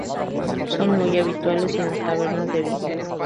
Son muy habituales en las tabernas de Vigo.